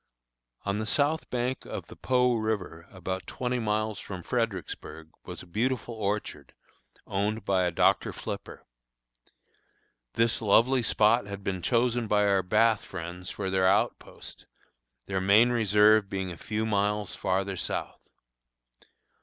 On the south bank of the Po river, about twenty miles from Fredericksburg, was a beautiful orchard, owned by a Dr. Flipper. This lovely spot had been chosen by our Bath friends for their outpost, their main reserve being a few miles farther south.